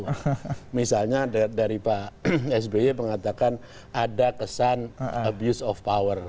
nah di sini ada yang dari pak sby mengatakan ada kesan abuse of power